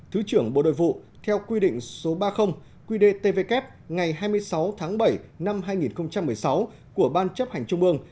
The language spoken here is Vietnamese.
thứ trưởng bộ nội vụ theo quy định số ba mươi quy đề tvk ngày hai mươi sáu tháng bảy năm hai nghìn một mươi sáu của ban chấp hành trung ương